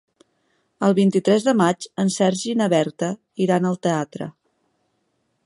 El vint-i-tres de maig en Sergi i na Berta iran al teatre.